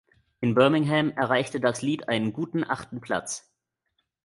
In Birmingham erreichte das Lied einen guten achten Platz.